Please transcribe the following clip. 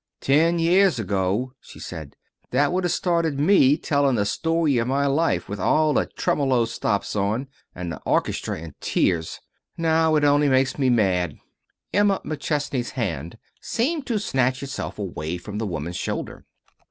"Ten years ago," she said, "that would have started me telling the story of my life, with all the tremolo stops on, and the orchestra in tears. Now it only makes me mad." Emma McChesney's hand seemed to snatch itself away from the woman's shoulder.